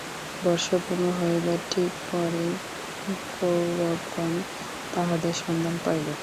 বর্ষ পূর্ণ হইবার ঠিক পরেই কৌরবগণ তাঁহাদের সন্ধান পাইল।